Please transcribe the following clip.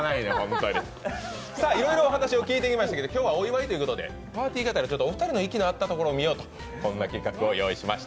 いろいろお話を聞いてきましたけど、今日はお祝いということでパーティーがてら、お二人の息の合ったところを見ようということで、こんな企画を用意しました。